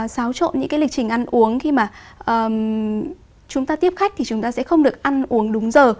xáo trộn những cái lịch trình ăn uống khi mà chúng ta tiếp khách thì chúng ta sẽ không được ăn uống đúng giờ